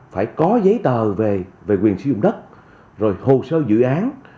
phải có giấy tờ về quyền sử dụng đất rồi hồ sơ dự án